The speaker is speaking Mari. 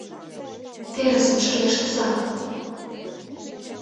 ТЕРЫСЫМ ШКЕ ЫШТЫЗА